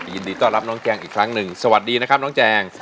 ยินดีต้อนรับน้องแจงอีกครั้งหนึ่งสวัสดีนะครับน้องแจง